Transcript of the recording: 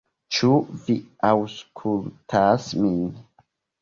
Ĉu vi aŭskultas min?